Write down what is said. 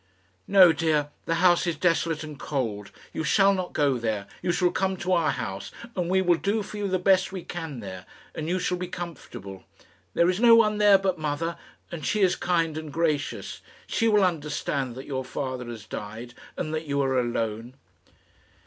"No, dear; the house is desolate and cold. You shall not go there. You shall come to our house, and we will do for you the best we can there, and you shall be comfortable. There is no one there but mother, and she is kind and gracious. She will understand that your father has died, and that you are alone."